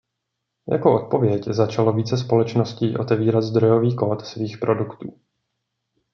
Jako odpověď začalo více společností otevírat zdrojový kód svých produktů.